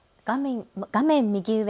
画面右上